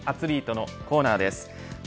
アツリートのコーナーです。